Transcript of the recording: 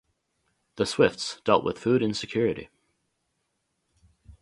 The Swifts dealt with food insecurity.